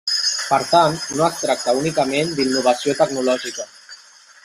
Per tant no es tracta únicament d'innovació tecnològica.